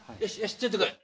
ついてこい。